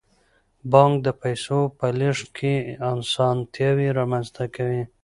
بانک د پیسو په لیږد کې اسانتیاوې رامنځته کوي.